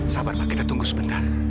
sabar pak kita tunggu sebentar